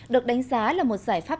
được đánh giá là một giải pháp